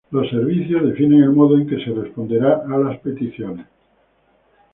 Los servicios definen el modo en que se responderá a las peticiones.